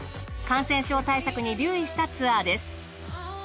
感染症対策に留意したツアーです。